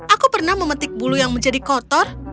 aku pernah memetik bulu yang menjadi kotor